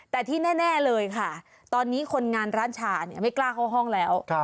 แต่ที่แน่เลยค่ะตอนนี้คนงานร้านชาไม่กล้าเข้าห้องแล้ว